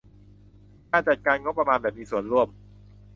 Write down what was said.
การจัดการงบประมาณแบบมีส่วนร่วม